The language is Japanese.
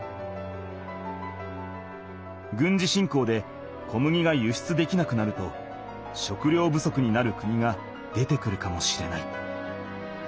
軍事侵攻で小麦が輸出できなくなると食料不足になる国が出てくるかもしれない。